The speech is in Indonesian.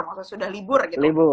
maksudnya sudah libur gitu